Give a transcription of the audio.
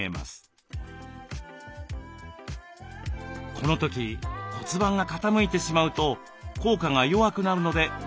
この時骨盤が傾いてしまうと効果が弱くなるので注意しましょう。